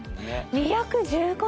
２１５人！